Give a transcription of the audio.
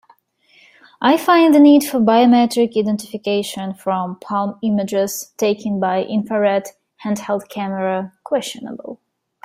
I find the need for biometric identification from palm images taken by infrared handheld camera questionable.